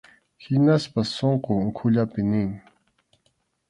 Hinaspas sunqun ukhullapi nin.